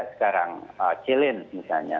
sekarang challenge misalnya